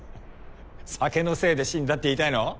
酒のせいで死んだって言いたいの？